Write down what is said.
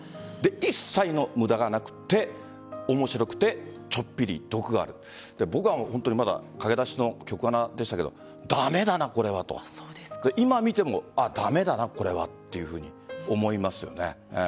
一切の無駄がなくて面白くてちょっぴり毒がある僕は、本当にまだ駆け出しの局アナでしたが駄目だなこれはと。今見ても駄目だなこれはっていうふうに思いますよね。